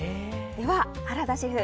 では、原田シェフ